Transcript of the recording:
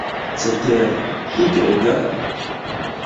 Cetere, tute egale?